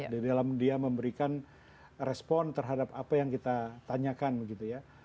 di dalam dia memberikan respon terhadap apa yang kita tanyakan begitu ya